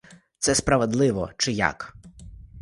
Це справедливо чи як?